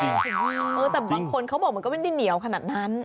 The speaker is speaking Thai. แต่บางคนเขาบอกมันก็ไม่ได้เหนียวขนาดนั้น